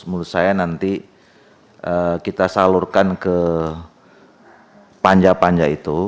menurut saya nanti kita salurkan ke panja panja itu